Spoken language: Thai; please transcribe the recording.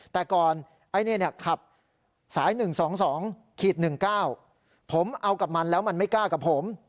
แต่ก่อนไอ้นี่ขับสาย๑๒๒๑๙ผมเอากับมันแล้วมันไม่กล้ากับผม